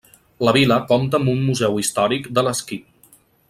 La vila compta amb un museu històric de l'esquí.